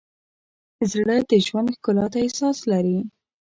زړه د ژوند ښکلا ته احساس لري.